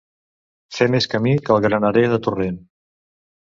Fer més camí que el granerer de Torrent.